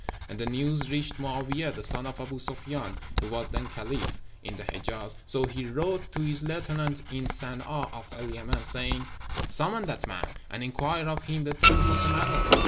And the news reached Mo'áwiyeh, the son of Aboo Sufyán (who was then Caliph), in the Hejáz; so he wrote to his lieutenant in San'a of El Yemen, saying, 'Summon that man, and inquire of him the truth of the matter!'